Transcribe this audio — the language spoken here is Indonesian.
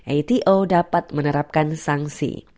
ato dapat menerapkan sanksi